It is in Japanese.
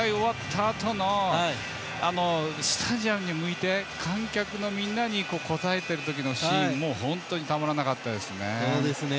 あとのスタジアムに向いて観客のみんなに応えているシーンもたまらなかったです。